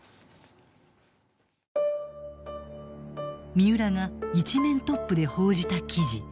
三浦が一面トップで報じた記事。